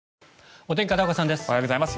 おはようございます。